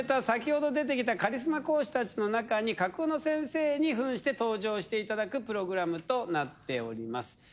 先ほど出てきたカリスマ講師達の中に架空の先生に扮して登場していただくプログラムとなっております